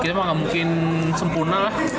gitu emang ga mungkin sempuna lah